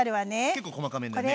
結構細かめになるね。